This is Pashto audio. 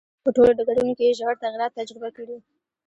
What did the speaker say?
په ټولو ډګرونو کې یې ژور تغییرات تجربه کړي.